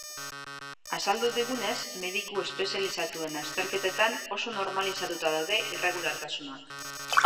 Azaldu digunez, mediku espezializatuen azterketetan oso normalizatuta daude irregulartasunak.